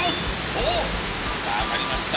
おおてがあがりました。